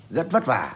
rất vất vả